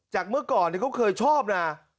เมื่อก่อนเขาเคยชอบนะ